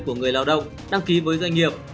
của người lao động đăng ký với doanh nghiệp